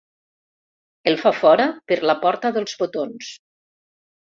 El fa fora per la porta dels botons.